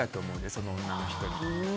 その女の人に。